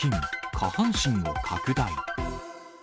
下半身を拡大。